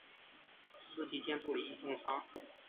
司机兼助理亦重伤。